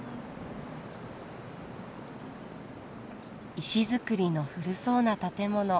石造りの古そうな建物。